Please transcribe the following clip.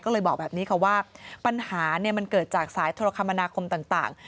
ก็เลยบอกแบบนี้ค่ะว่าปัญหามันเกิดจากสายโทรคมนาคมต่าง